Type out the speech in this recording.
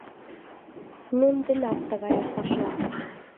Нунын денат тыгаяк паша.